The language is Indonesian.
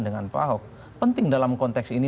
dengan pahok penting dalam konteks ini